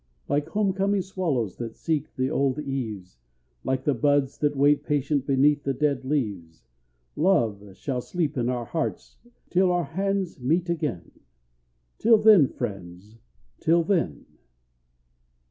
Like home coming swallows that seek the old eaves, Like the buds that wait patient beneath the dead leaves, Love shall sleep in our hearts till our hands meet again, Till then, friends, till then!